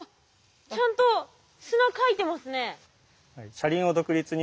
ちゃんと砂かいてますね。